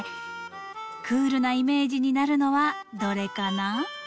クールなイメージになるのはどれかな？